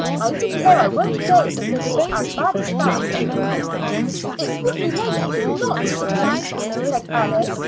I declare I won't go if it is as bad as that." "It would be like you not to come," said Alice.